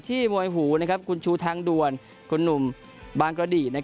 มวยหูคุณชูทางด่วนคุณหนุ่มบางกระดี